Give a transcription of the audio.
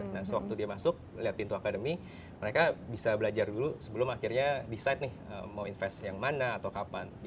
nah sewaktu dia masuk lihat pintu akademi mereka bisa belajar dulu sebelum akhirnya decide nih mau investasi yang mana atau kapan